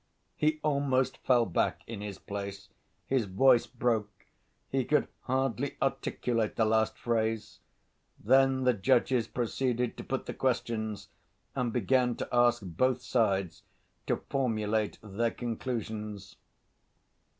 He almost fell back in his place: his voice broke: he could hardly articulate the last phrase. Then the judges proceeded to put the questions and began to ask both sides to formulate their conclusions.